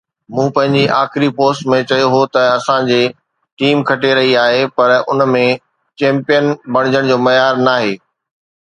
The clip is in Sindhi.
مون پنهنجي آخري پوسٽ ۾ چيو هو ته اسان جي ٽيم کٽي رهي آهي پر ان ۾ چيمپيئن بڻجڻ جو معيار ناهي